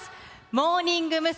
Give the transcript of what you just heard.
モーニング娘。